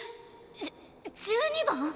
じゅ１２番？